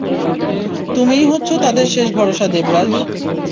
তুমিই হচ্ছ তাদের শেষ ভরসা দেবরাজ।